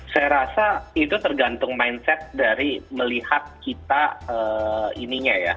saya rasa itu tergantung mindset dari melihat kita ininya ya